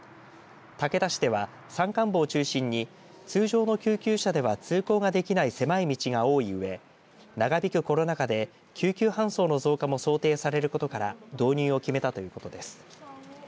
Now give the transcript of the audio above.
竹田市では山間部を中心に通常の救急車では通行ができない狭い道が多いうえ長引くコロナ禍で救急搬送の増加も想定されることから導入を決めたということです。